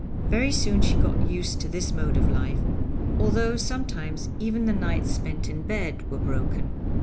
Very soon she got used to this mode of life, although sometimes even the nights spent in bed were broken.